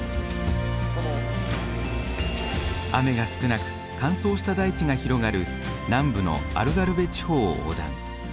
雨が少なく乾燥した大地が広がる南部のアルガルヴェ地方を横断。